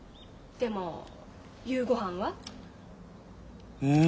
でも夕ごはんは？え？